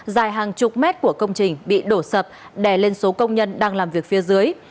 dài hàng chục mét của công trình bị đổ sập đè lên số công nhân đang làm việc phía dưới